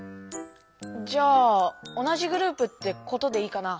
じゃあ同じグループってことでいいかな？